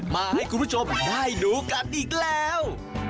มาให้คุณผู้ชมได้ดูกันอีกแล้ว